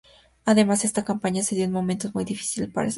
Además, esta campaña se dio en momentos muy difíciles para el país.